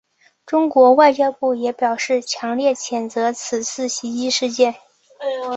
中国外交部也表示强烈谴责此次袭击事件。